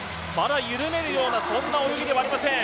緩めるような、そんな泳ぎではありません。